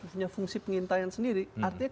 punya fungsi pengintaian sendiri artinya